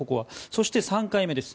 そして３回目です。